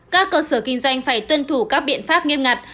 các cơ sở kinh doanh phải tuân thủ các biện pháp nghiêm ngặt